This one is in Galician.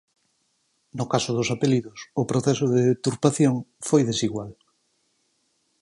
No caso dos apelidos, o proceso de deturpación foi "desigual".